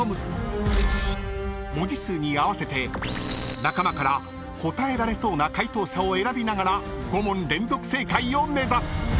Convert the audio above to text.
［文字数に合わせて仲間から答えられそうな解答者を選びながら５問連続正解を目指す］